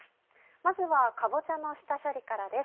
まずはかぼちゃの下処理からです。